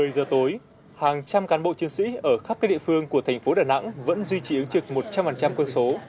một mươi giờ tối hàng trăm cán bộ chiến sĩ ở khắp các địa phương của thành phố đà nẵng vẫn duy trì ứng trực một trăm linh quân số